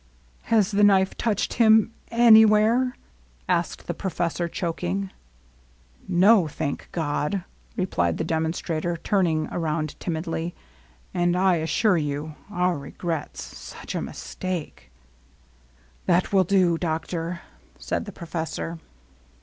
"Has the knife touched him — anywhere?" asked the professor, choking. "No, thank God!" replied the demonstrator, turning around timidly; "and I assure you — our regrets — such a mistake "— "That will do, doctor," said the professor.